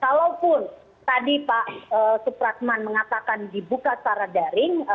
kalaupun tadi pak supratman mengatakan dibuka secara daring